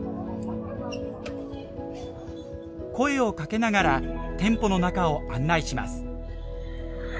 声をかけながら店舗の中を案内します。